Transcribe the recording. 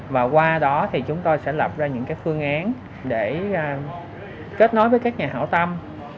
và qua đó thì chúng tôi sẽ lập ra những phương án để kết nối với các nhà hảo tâm